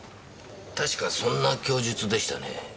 確かそんな供述でしたね。